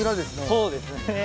そうですね。